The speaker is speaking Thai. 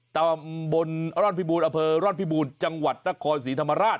ตำบลร่อนพิบูรณอเภอร่อนพิบูรณ์จังหวัดนครศรีธรรมราช